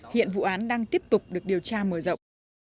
hiện vụ án đang tiếp tục được điều tra mở rộng